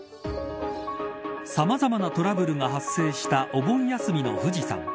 さまざまなトラブルが発生したお盆休みの富士山。